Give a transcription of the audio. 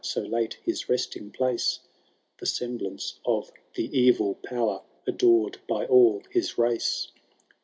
So late his resting place ?— The semblance of the Evil Power, Adored by all his race